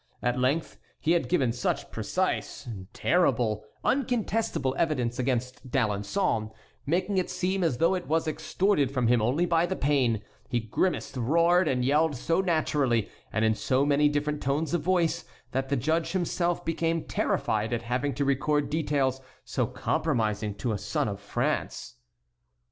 At length he had given such precise, terrible, uncontestable evidence against D'Alençon, making it seem as though it was extorted from him only by the pain,—he grimaced, roared, and yelled so naturally, and in so many different tones of voice,—that the judge himself became terrified at having to record details so compromising to a son of France.